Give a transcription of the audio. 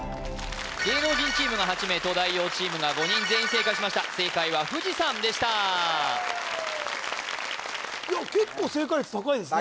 芸能人チームが８名東大王チームが５人全員正解しました正解は富士山でした結構正解率高いですね